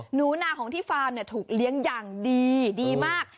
หนูนาของที่ฟาร์มถูกเลี้ยงอย่างดีดีมาก